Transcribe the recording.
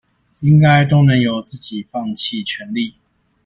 應該都能由自己放棄權力